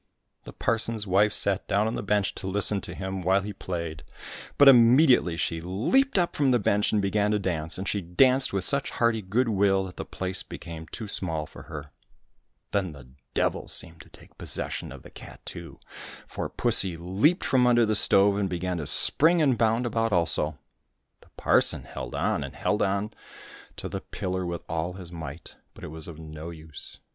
The parson's wife sat down on the bench to listen to him while he played ; but immediately she leaped up from the bench and began to dance, and she danced with such hearty good will that the place became too small for her. |Then the Devil seemed to take possession of the cat too, for pussy leaped from under the stove and began to spring and bound about also. The parson held on and held on to the pillar with all his might, but it was of no use.